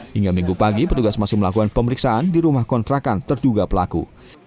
hingga minggu pagi petugas masih melakukan pemeriksaan di rumah kontrakan terduga pelaku